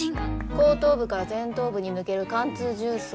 後頭部から前頭部に抜ける貫通銃創。